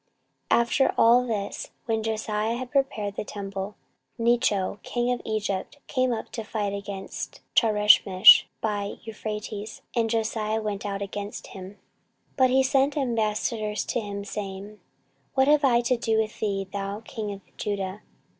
14:035:020 After all this, when Josiah had prepared the temple, Necho king of Egypt came up to fight against Charchemish by Euphrates: and Josiah went out against him. 14:035:021 But he sent ambassadors to him, saying, What have I to do with thee, thou king of Judah?